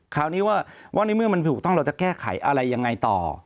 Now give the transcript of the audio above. คราวนี้ว่าในเมื่อมันถูกต้องเราจะแก้ไขอะไรยังไงต่อ